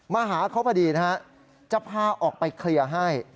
มาหาเขาพอดีนะฮะจะพาออกไปเคลียร์ให้